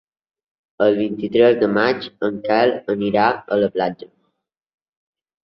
El vint-i-tres de maig en Quel anirà a la platja.